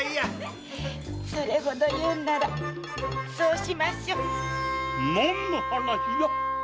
それほど言うんならそうしましょ。何の話じゃ？